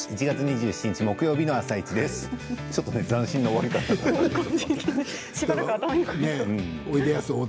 １月２７日木曜日の「あさイチ」です。